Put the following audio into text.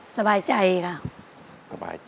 สบายใจค่ะ